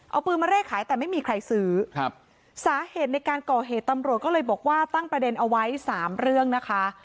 เอาปืนมาเร่ขายแต่ไม่มีใครซื้อครับสาเหตุในการก่อเหตุตำรวจก็เลยบอกว่าตั้งประเด็นเอาไว้สามเรื่องนะคะ